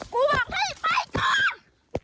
กูบอกให้ปล่อยก่อน